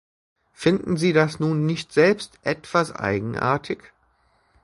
Finden Sie das nun nicht selbst etwas eigenartig?